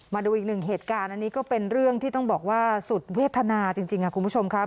มาดูอีกหนึ่งเหตุการณ์อันนี้ก็เป็นเรื่องที่ต้องบอกว่าสุดเวทนาจริงค่ะคุณผู้ชมครับ